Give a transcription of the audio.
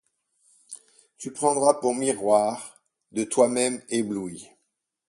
Tu prendras pour miroir, de toi-même éblouie